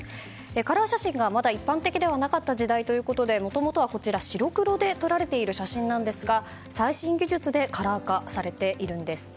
カラー写真がまだ一般的ではなかった時代ということでもともとは白黒で撮られている写真なんですが最新技術でカラー化されているんです。